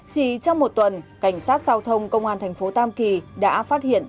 chỉ trong một tuần cảnh sát giao thông công an thành phố tam kỳ đã phát hiện